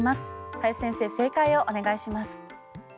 林先生、正解をお願いします。